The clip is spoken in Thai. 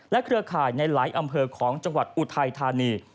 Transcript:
เครือข่ายในหลายอำเภอของจังหวัดอุทัยธานี